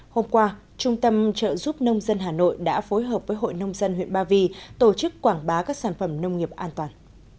hôm qua trung tâm trợ giúp nông dân hà nội đã phối hợp với hội nông dân huyện ba vì tổ chức quảng bá các sản phẩm nông nghiệp an toàn